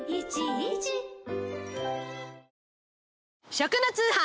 食の通販。